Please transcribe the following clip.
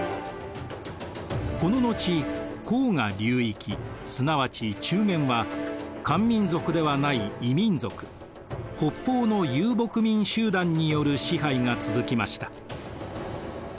この後黄河流域すなわち中原は漢民族ではない異民族北方の遊牧民集団による支配が続きました。